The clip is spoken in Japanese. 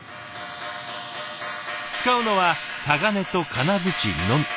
使うのはタガネと金づちのみ。